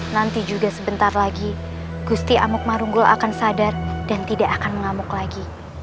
nanti juga sebentar lagi gusti amuk marunggul akan sadar dan tidak akan mengamuk lagi